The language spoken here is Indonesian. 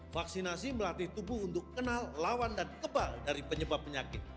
vaksinasi melatih tubuh untuk kenal lawan dan kebal dari penyebab penyakit